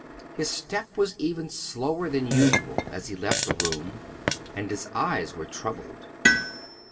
His step was even slower than usual as he left the room, and his eyes were troubled.